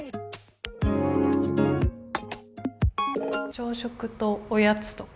朝食とおやつとか。